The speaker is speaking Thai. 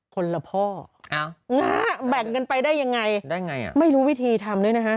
คนละพ่อแบ่งกันไปได้ยังไงไม่รู้วิธีทำเลยนะคะ